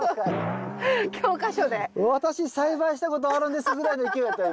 私栽培したことあるんですぐらいの勢いだったよ